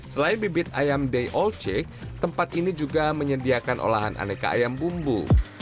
selain bibit ayam day all check tempat ini juga menyediakan olahan aneka ayam bumbu